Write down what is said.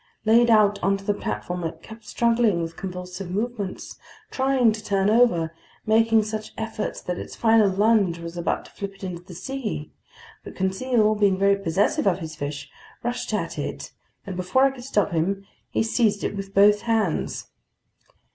Laid out on the platform, it kept struggling with convulsive movements, trying to turn over, making such efforts that its final lunge was about to flip it into the sea. But Conseil, being very possessive of his fish, rushed at it, and before I could stop him, he seized it with both hands.